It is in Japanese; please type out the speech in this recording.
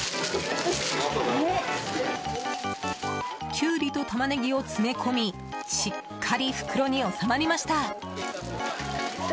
キュウリとタマネギを詰め込みしっかり袋に収まりました。